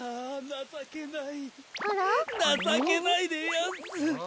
なさけないでやんす。